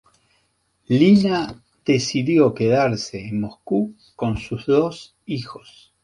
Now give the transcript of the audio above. Lina decidió quedarse en Moscú con sus dos hijos.